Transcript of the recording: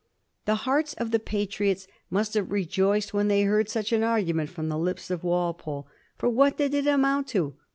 The hearts of the Patriots must have rejoiced when they heard such an argument from the lips of Walpole. For what did it amount to